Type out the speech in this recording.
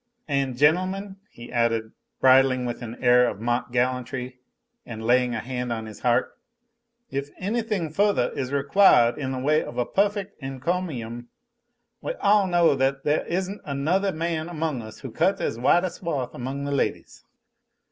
An', gentlemen," he added, bridling with an air of mock gallantry and laying a hand on his heart, "if anythin' fu'thah is required in the way of a puffect encomium, we all know that there isn't anothah man among us who cuts as wide a swath among the ladies.